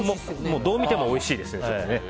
どうみてもおいしいですよね。